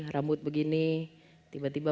rambut begini tiba tiba